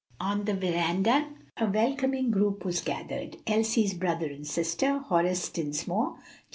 On the veranda a welcoming group was gathered. Elsie's brother and sister Horace Dinsmore, Jr.